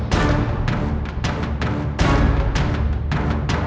kalau aku memang canggung begini